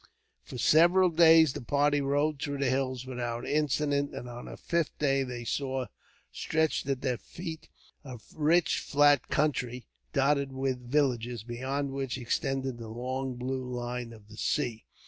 For several days, the party rode through the hills without incident; and on the fifth day they saw, stretched at their feet, a rich flat country dotted with villages, beyond which extended the long blue line of the sea.